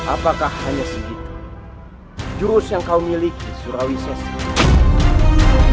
apakah hanya segitu jurus yang kau miliki surawi ses